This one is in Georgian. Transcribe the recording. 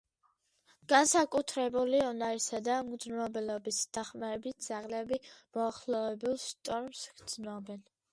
განსაკუთრებული უნარისა და მგრძნობელობის დახმარებით, ძაღლები მოახლოებულ შტორმს გრძნობენ.